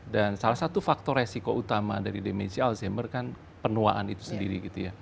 dan salah satu faktor resiko utama dari dimensi alzheimer kan penuaan itu sendiri gitu ya